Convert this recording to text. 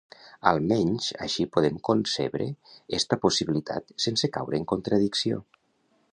Almenys, així podem concebre esta possibilitat sense caure en contradicció.